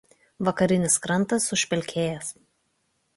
Vakarinis krantas užpelkėjęs.